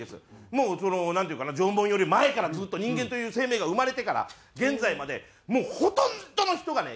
もうなんていうかな縄文より前からずっと人間という生命が生まれてから現在までもうほとんどの人がね